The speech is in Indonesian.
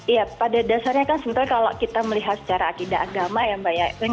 iya pada dasarnya kan sebenarnya kalau kita melihat secara akidah agama ya mbak ya